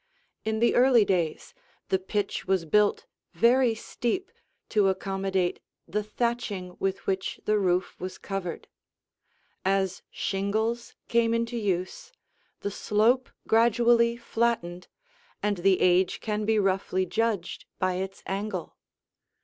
In the early days, the pitch was built very steep to accommodate the thatching with which the roof was covered. As shingles came into use, the slope gradually flattened, and the age can be roughly judged by its angle.